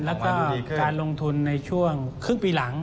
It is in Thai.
แล้วก็การลงทุนในช่วงครึ่งปีหลัง